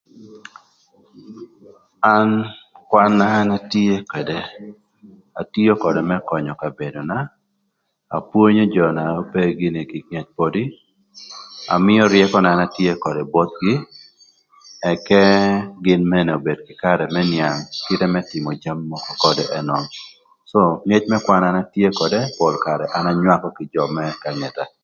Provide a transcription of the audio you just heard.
An kwan-na an atye ködë, atio ködë më könyö kabedona, apwonyo jö n'ope gïnɨ kï ngec podi, amïö ryëköna na an atye ködë bothgï, ëk gïn mene obed kï karë më nïang kite më tïmö jami mökö ködë ënön, co ngec na an atye ködë pol karë an anywakö kï jö më ka ngeta.